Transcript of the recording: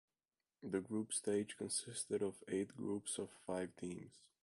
The group stage consisted of eight groups of five teams.